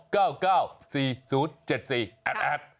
ครับ